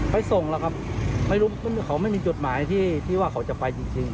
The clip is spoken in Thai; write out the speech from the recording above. ไปส่งแล้วครับไม่รู้เขาไม่มีจดหมายที่ว่าเขาจะไปจริง